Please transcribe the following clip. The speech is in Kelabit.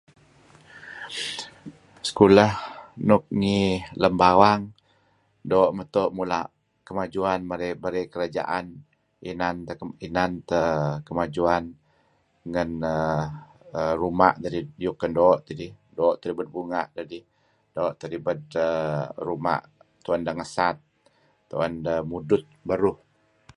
Sekulah nuk ngi lem bawang doo' meto' mula' kemajuan berey-berey kerajaan inan teh inan teh kemajuan ngan ruma' dedih iyuk kan doo' tidih doo' teh ribed bunga' dedih doo' teh ribed err tuma' tu'en deh ngesat tu'en deh mudut beruh